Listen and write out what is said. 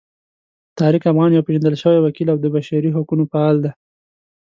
طارق افغان یو پیژندل شوی وکیل او د بشري حقونو فعال دی.